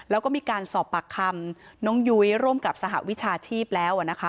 แล้วก็มีการสอบปากคำน้องยุ้ยร่วมกับสหวิชาชีพแล้วนะคะ